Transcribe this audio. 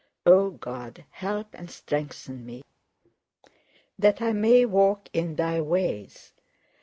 O God, help and strengthen me that I may walk in Thy ways!